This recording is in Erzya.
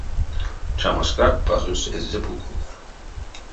Чамаскак пазось эзизе покорда.